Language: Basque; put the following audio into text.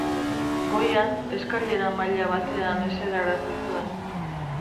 Goian, eskailera maila batean eserarazi zuen.